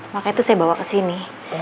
makanya tuh saya bawa kesini